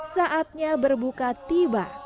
saatnya berbuka tiba